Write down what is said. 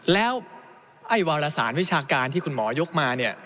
แล้วไอ้วารสารวิชาการที่คุณหมอยกมาเนี่ย